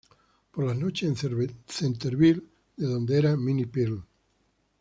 Por las noches en Centerville de donde era Minnie Pearl.